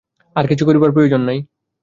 আর কিছু করিবার প্রয়োজন নাই।